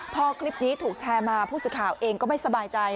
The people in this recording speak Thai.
พอคลิปนี้ถูกแชร์มาผู้สื่อข่าวเองก็ไม่สบายใจ